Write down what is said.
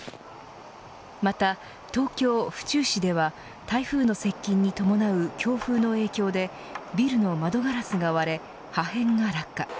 また東京、府中市では台風の接近に伴う強風の影響でビルの窓ガラスが割れ破片が落下。